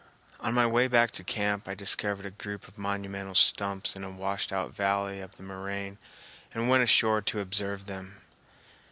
On my way back to camp I discovered a group of monumental stumps in a washed out valley of the moraine and went ashore to observe them.